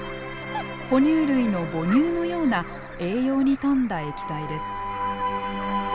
哺乳類の母乳のような栄養に富んだ液体です。